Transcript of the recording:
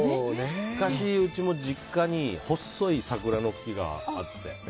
昔うちも実家に細い桜の木があって。